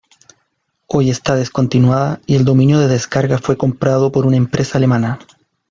Hoy está descontinuada y el dominio de descarga fue comprado por una empresa alemana.